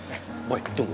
eh boy tunggu